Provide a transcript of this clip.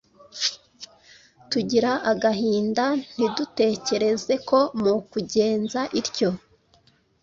tugira agahinda, ntidutekereze ko mu kugenza ityo,